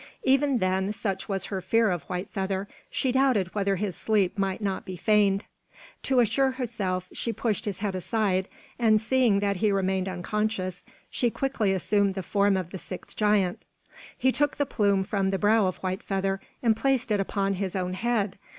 Even then, such was her fear of White Feather, she doubted whether his sleep might not be feigned. To assure herself she pushed his head aside, and seeing that he remained unconscious, she quickly assumed the form of the sixth giant. He took the plume from the brow of White Feather and placed it upon his own head.